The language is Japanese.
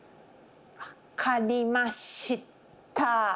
分かりました。